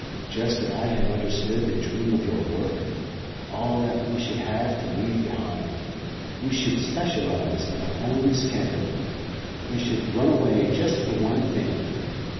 Just that I have understood the dream of your work. All that we should have to leave behind. We should specialize, in our own scandal. We should run away just for one thing.